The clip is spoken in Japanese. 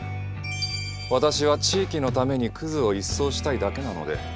私は地域のためにクズを一掃したいだけなので。